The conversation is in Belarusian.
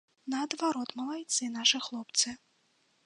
Наадварот, малайцы нашы хлопцы.